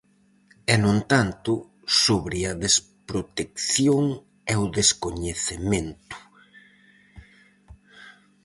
E, no entanto, sobre a desprotección e o descoñecemento.